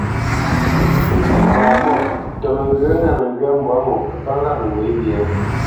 Zaamɔ̂ tə mə́ ŋgyə̌ ŋá məŋgywá mbwǎ ŋo kə́ pə́ŋgâʼ mə ŋgywě ghyê ?